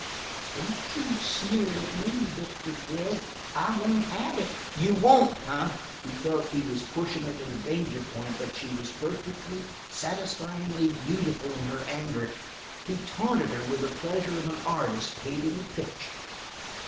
"Don't you sneer at me, Victor Gregg. I won't have it!" "You won't, eh?" He felt that he was pushing her to the danger point, but she was perfectly, satisfyingly beautiful in her anger; he taunted her with the pleasure of an artist painting a picture.